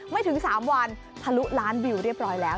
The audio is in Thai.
ไม่ถึง๓วันทะลุล้านวิวเรียบร้อยแล้ว